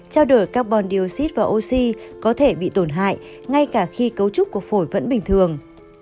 trao đổi carbon dioxid và oxy có thể bị tổn hại ngay cả khi cấu trúc của phổi vẫn bình thường